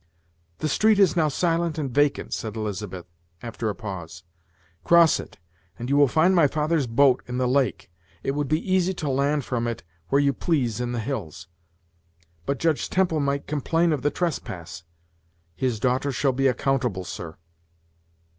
"The street is now silent and vacant," said Elizabeth, after a pause; "cross it, and you will find my father's boat in the lake. It would be easy to land from it where you please in the hills." "But Judge Temple might complain of the trespass." "His daughter shall be accountable, sir."